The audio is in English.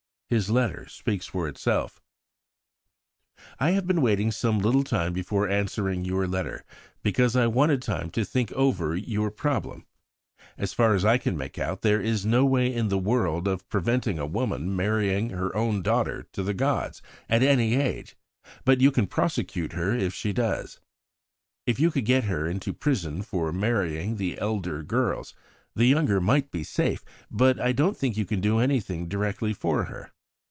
His letter speaks for itself: "I have been waiting some little time before answering your letter, because I wanted time to think over your problem. As far as I can make out, there is no way in the world of preventing a woman marrying her own daughter to the gods at any age; but you can prosecute her if she does. If you could get her into prison for marrying the elder girls, the younger might be safe; but I don't think you can do anything directly for her.